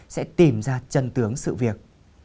sẽ tìm ra chân tướng sự việc